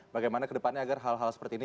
bagaimana ke depannya agar hal hal seperti ini